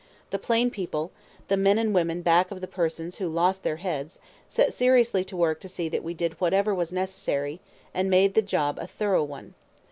The plain people, the men and women back of the persons who lost their heads, set seriously to work to see that we did whatever was necessary, and made the job a thorough one.